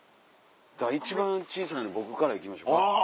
一番小さな僕から行きましょうか。